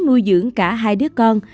nuôi dưỡng cả hai đứa con